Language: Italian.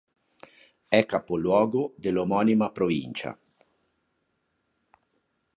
È capoluogo dell'omonima provincia.